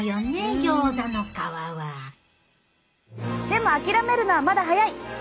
でも諦めるのはまだ早い！